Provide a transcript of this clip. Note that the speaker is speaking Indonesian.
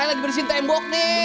ella lagi bersin tembok nih